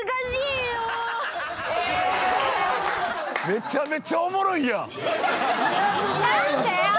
めちゃめちゃおもろいやん。